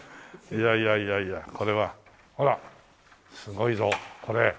いやいやいやいやこれはほらすごいぞこれ。